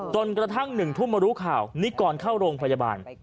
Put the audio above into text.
จนกระทั่ง๑ทุ่มมารู้ข่าวนิกรเข้าโรงพยาบาล